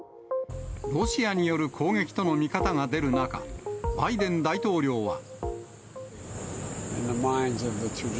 ロシアによる攻撃との見方が出る中、バイデン大統領は。